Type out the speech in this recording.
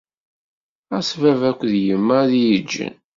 Ɣas baba akked yemma ad iyi-ǧǧen.